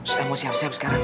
saya mau siap siap sekarang